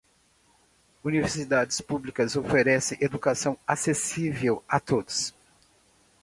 Universidades públicas oferecem educação acessível a todos.